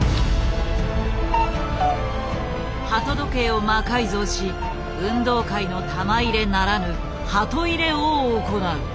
鳩時計を魔改造し運動会の玉入れならぬハト入れを行う。